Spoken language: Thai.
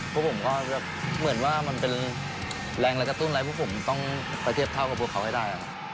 พวกผมก็แบบเหมือนว่ามันเป็นแรงและกระตุ้นอะไรพวกผมต้องไปเทียบเท่ากับพวกเขาให้ได้ครับ